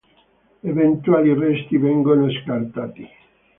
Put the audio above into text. Eventuali resti vengono scartati.